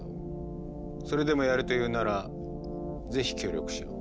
それでもやると言うならぜひ協力しよう。